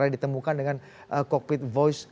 yang ditemukan dengan cockpit voice